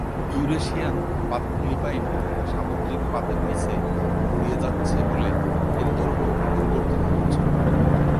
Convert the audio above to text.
Eurasian পাত Philippine সামুদ্রিক পাতের নিচে গড়িয়ে যাচ্ছে বলে এর দৈর্ঘ্য পরিবর্তিত হচ্ছে।